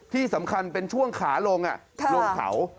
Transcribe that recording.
ที่สำคัญเป็นช่วงขาลงลงเขา